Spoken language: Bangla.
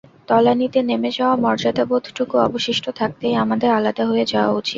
তলানিতে নেমে যাওয়া মর্যাদাবোধটুকু অবশিষ্ট থাকতেই আমাদের আলাদা হয়ে যাওয়া উচিত।